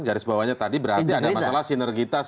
garis bawahnya tadi berarti ada masalah sinergitas